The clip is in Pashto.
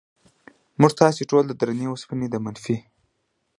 موږ تاسې ټول د درنې وسپنې د منفي